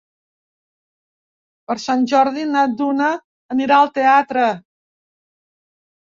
Per Sant Jordi na Duna anirà al teatre.